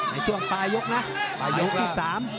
ในช่วงปลายยกนะปลายยกที่๓